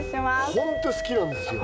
ホント好きなんですよ